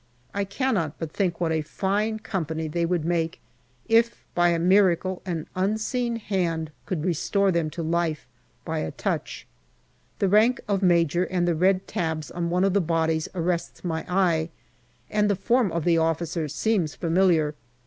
I cannot but think what a fine company they would make if by a miracle an Unseen Hand could restore them to life by a touch. The rank of major and the red tabs on one of the bodies arrests APRIL 47 my eye, and the form of the officer seems familiar.